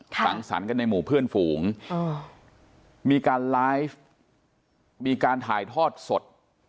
สังสรรค์กันในหมู่เพื่อนฝูงมีการไลฟ์มีการถ่ายทอดสด